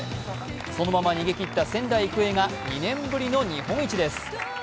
そのまま逃げきった仙台育英が２年ぶりの日本一です。